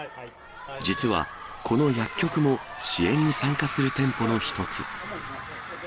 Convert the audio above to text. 実は、この薬局も、支援に参加する店舗の一つ。